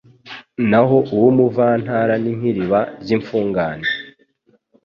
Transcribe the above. naho uw’umuvantara ni nk’iriba ry’imfungane